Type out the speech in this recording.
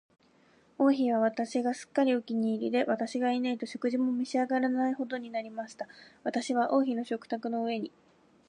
王妃は私がすっかりお気に入りで、私がいないと食事も召し上らないほどになりました。私は王妃の食卓の上に、